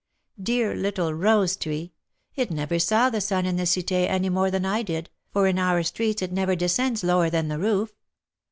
Dear little rose tree! it never saw the sun in the Cité any more than I did, for in our street it never descends lower than the roof.